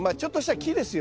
木ですよ